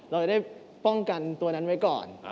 เราจะได้ป้องกันตัวนั้นไว้ก่อน